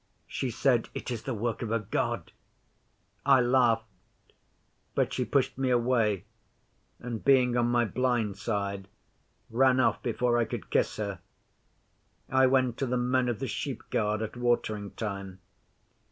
She said, "It is the work of a God." I laughed, but she pushed me away, and being on my blind side, ran off before I could kiss her. I went to the Men of the Sheepguard at watering time.